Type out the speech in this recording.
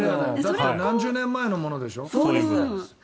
何十年前のものでしょ？